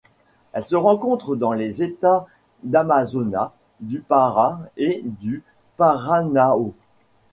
Elle se rencontre dans les États d'Amazonas, du Pará et du Maranhão.